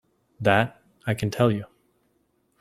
That I can tell you.